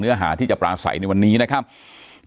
อย่างที่บอกไปว่าเรายังยึดในเรื่องของข้อ